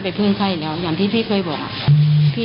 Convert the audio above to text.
มันเมื่อคืนก่อนเขาร้องไห้